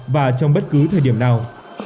và trong bất cứ thời điểm nào